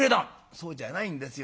「そうじゃないんですよ。